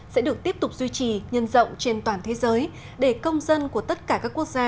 sẽ được tiếp tục duy trì nhân rộng trên toàn thế giới để công dân của tất cả các quốc gia